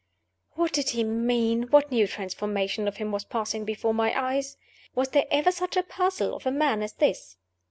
What did he mean? what new transformation of him was passing before my eyes? Was there ever such a puzzle of a man as this?